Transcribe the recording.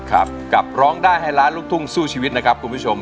กับร้องได้ให้ล้านลูกทุ่งสู้ชีวิตนะครับคุณผู้ชม